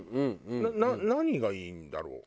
何がいいんだろう？